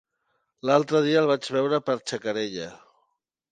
L'altre dia el vaig veure per Xacarella.